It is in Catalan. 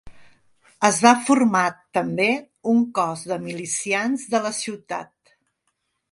Es va formar també un cos de milicians de la ciutat.